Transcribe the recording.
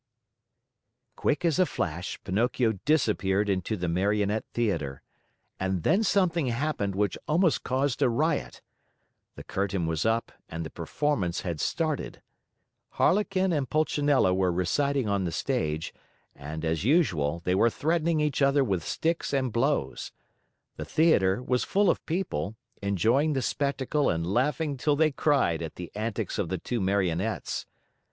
Quick as a flash, Pinocchio disappeared into the Marionette Theater. And then something happened which almost caused a riot. The curtain was up and the performance had started. Harlequin and Pulcinella were reciting on the stage and, as usual, they were threatening each other with sticks and blows. The theater was full of people, enjoying the spectacle and laughing till they cried at the antics of the two Marionettes.